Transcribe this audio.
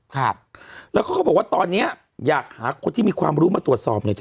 ครับแล้วเขาก็บอกว่าตอนเนี้ยอยากหาคนที่มีความรู้มาตรวจสอบหน่อยเถ